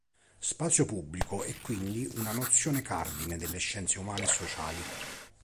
Spazio pubblico è quindi una nozione cardine delle scienze umane e sociali.